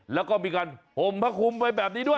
แล้วก็มีการห่มพระคุมไว้แบบนี้ด้วย